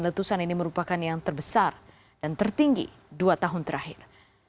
letusan ini merupakan yang terbesar dan tertinggi dua tahun terakhir